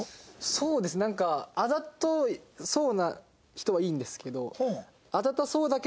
そうですねなんかあざとそうな人はいいんですけど。